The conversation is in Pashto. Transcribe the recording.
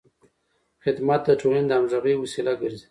خدمت د ټولنې د همغږۍ وسیله ګرځي.